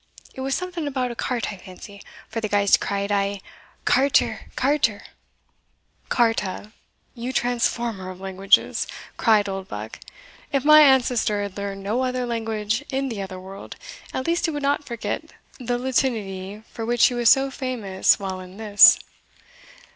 It was something about a cart, I fancy, for the ghaist cried aye, Carter, carter " "Carta, you transformer of languages!" cried Oldbuck; "if my ancestor had learned no other language in the other world, at least he would not forget the Latinity for which he was so famous while in this."